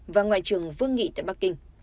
và ngoại trưởng vương nghị tại bắc kinh